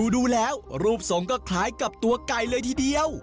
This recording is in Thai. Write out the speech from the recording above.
ดูแล้วรูปทรงก็คล้ายกับตัวไก่เลยทีเดียว